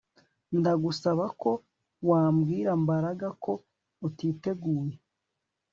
Ndagusaba ko wabwira Mbaraga ko utiteguye